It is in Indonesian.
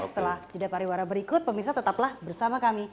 setelah jeda pariwara berikut pemirsa tetaplah bersama kami